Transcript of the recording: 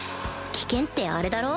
危険ってあれだろ？